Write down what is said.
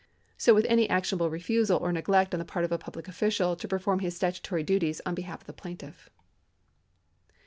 So with any actionable refusal or neglect on th(^ part of a public official to perform his statutory duties on behalf of the plaintiff.